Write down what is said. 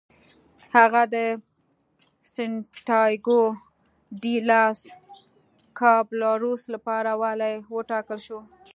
هغه د سنتیاګو ډي لاس کابالروس لپاره والي وټاکل شو.